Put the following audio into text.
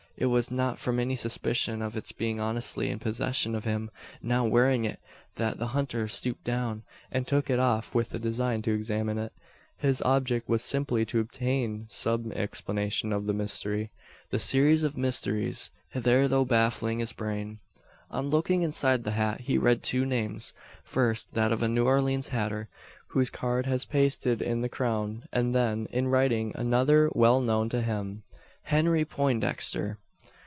It was not from any suspicion of its being honestly in possession of him now wearing it that the hunter stooped down, and took it off with the design to examine it. His object was simply to obtain some explanation of the mystery, or series of mysteries, hitherto baffling his brain. On looking inside the hat he read two names; first, that of a New Orleans hatter, whose card was pasted in the crown; and then, in writing, another well known to him: "HENRY POINDEXTER."